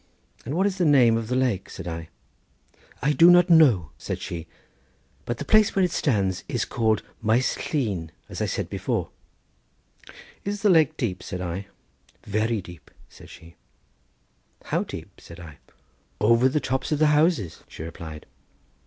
"And what is the name of the lake?" said I. "I do not know," said she; "but the place where it stands is called Maes Llyn, as I said before." "Is the lake deep?" said I. "Very deep," said she. "How deep?" said I. "Over the tops of the houses," she replied.